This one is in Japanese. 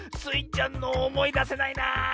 ちゃんのおもいだせないなあ。